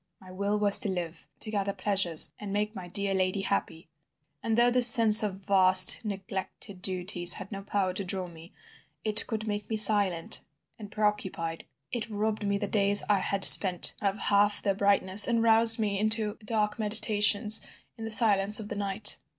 My will was to live, to gather pleasures and make my dear lady happy. But though this sense of vast neglected duties had no power to draw me, it could make me silent and preoccupied, it robbed the days I had spent of half their brightness and roused me into dark meditations in the silence of the night.